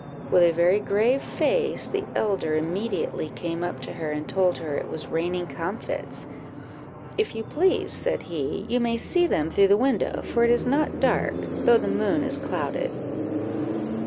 With a very grave face, the elder immediately came up to her, and told her it was raining comfits "If you please," said he, "you may see them through the windows, for it is not dark, though the moon is clouded."